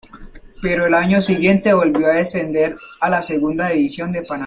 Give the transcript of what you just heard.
Pero el año siguiente volvió a descender a la Segunda División de Panamá.